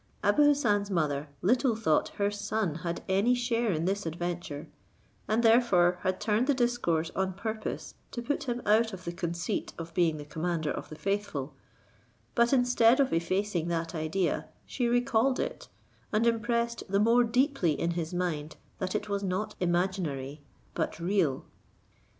Abou Hassan's mother little thought her son had any share in this adventure, and therefore had turned the discourse on purpose to put him out of the conceit of being the commander of the faithful; but instead of effacing that idea, she recalled it, and impressed the more deeply in his mind, that it was not imaginary but real.